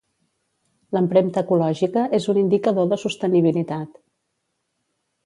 L'empremta ecològica és un indicador de sostenibilitat.